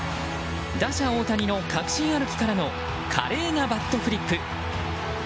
打者・大谷の確信歩きからの華麗なバットフリップ。